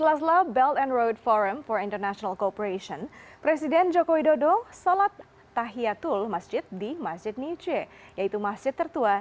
presiden joko widodo salat tahiyatul masjid di masjid niu jie yaitu masjid tertua di beijing tiongkok